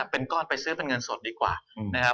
เป็นก้อนไปซื้อเป็นเงินสดดีกว่านะครับ